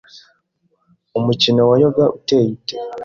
Umukino wa yoga uteye ute